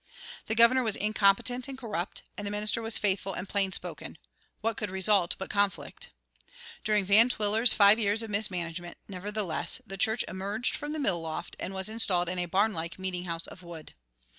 The governor was incompetent and corrupt, and the minister was faithful and plain spoken; what could result but conflict? During Van Twiller's five years of mismanagement, nevertheless, the church emerged from the mill loft and was installed in a barn like meeting house of wood.